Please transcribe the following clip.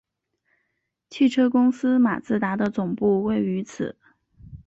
汽车公司马自达的总部位于此。